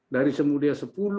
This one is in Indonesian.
dari semudia sepuluh lima